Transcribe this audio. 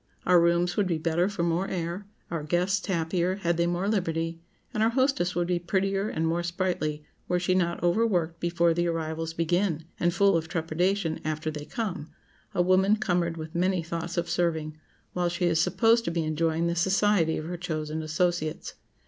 Our rooms would be better for more air, our guests happier had they more liberty, and our hostess would be prettier and more sprightly were she not overworked before the arrivals begin, and full of trepidation after they come,—a woman cumbered with many thoughts of serving, while she is supposed to be enjoying the society of her chosen associates.